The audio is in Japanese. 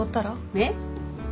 えっ？